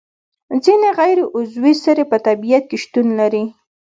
ځینې غیر عضوي سرې په طبیعت کې شتون لري.